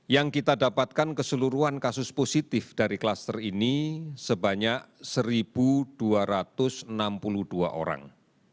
yang kita dapatkan keseluruhan kasus positif dari klaster ini sebanyak satu dua ratus enam puluh dua orang